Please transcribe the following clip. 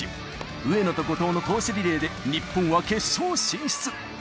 上野と後藤の投手リレーで、日本は決勝進出。